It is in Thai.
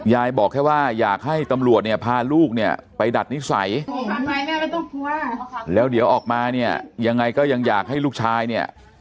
บอกแค่ว่าอยากให้ตำรวจเนี่ยพาลูกเนี่ยไปดัดนิสัยแม่แล้วเดี๋ยวออกมาเนี่ยยังไงก็ยังอยากให้ลูกชายเนี่ย